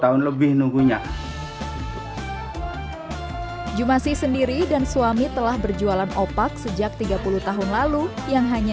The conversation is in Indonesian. tahun lebih nunggunya zumasi sendiri dan suami telah berjualan opak sejak tiga puluh tahun lalu yang hanya